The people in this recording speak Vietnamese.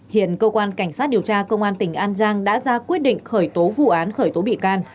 hiện cơ quan cảnh sát điều tra công an tỉnh an giang đã ra quyết định khởi tố vụ án khởi tố bị can